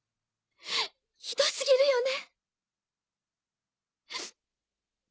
ひど過ぎるよね。